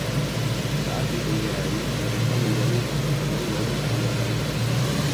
Saat dipenjari mereka menjalin pertemanan dengan tahanan lain.